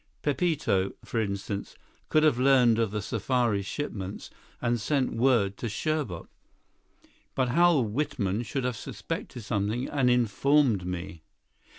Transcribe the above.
Pepito, for instance, could have learned of the safari shipments and sent word to Serbot. But Hal Whitman should have suspected something and informed me."